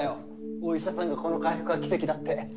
お医者さんがこの回復は奇跡だって。